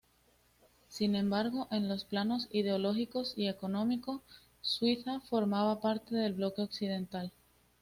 Sin embargo, en los planos ideológico y económico, Suiza formaba parte del bloque occidental.